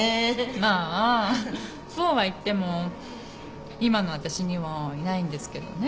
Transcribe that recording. まあそうはいっても今の私にはいないんですけどね。